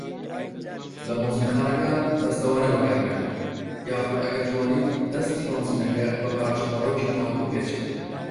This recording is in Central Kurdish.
لە بەنزینخانەکان، دەستەوانە بەکاربهینە یاخود ئەگەر توانیت دەسکی بەنزینەکە بە پارچە پەڕۆیەکی پاک بپێچە.